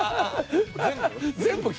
全部？